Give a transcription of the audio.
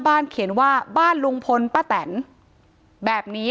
ถ้าใครอยากรู้ว่าลุงพลมีโปรแกรมทำอะไรที่ไหนยังไง